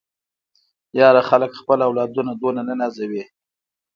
ياره خلک خپل اولاد دومره نه نازوي.